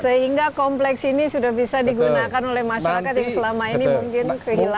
sehingga kompleks ini sudah bisa digunakan oleh masyarakat yang selama ini mungkin kehilangan